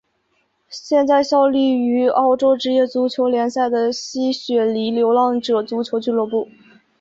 现在效力于澳洲职业足球联赛的西雪梨流浪者足球俱乐部。